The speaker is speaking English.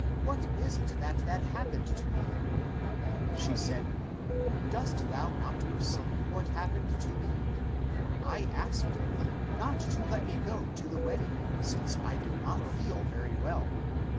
What is it that had happened to thee? And she said, Dost thou not perceive what happened to me? For I asked of thee not to let me go to the wedding, since I did not feel very well.